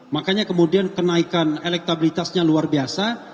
makanya kemudian kenaikan elektabilitasnya luar biasa